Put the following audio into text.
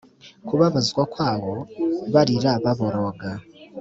kubabazwa kwawo barira baboroga